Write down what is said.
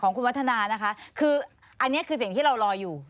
ของคุณวัฒนานะคะคืออันนี้คือสิ่งที่เรารออยู่